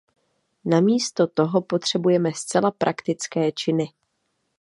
Namísto toho potřebujeme zcela praktické činy.